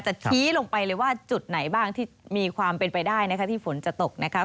จะชี้ลงไปเลยว่าจุดไหนบ้างที่มีความเป็นไปได้นะคะที่ฝนจะตกนะคะ